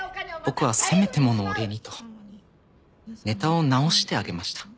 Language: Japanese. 僕はせめてものお礼にとネタを直してあげました。